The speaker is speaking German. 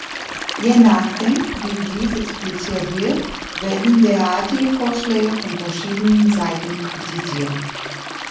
Je nachdem, wie dies expliziert wird, werden derartige Vorschläge von verschiedenen Seiten kritisiert.